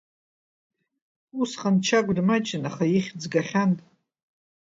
Усҟан Чагә дмаҷын, аха ихьӡ гахьан.